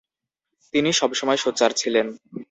তিনি সবসময় সোচ্চার ছিলেন।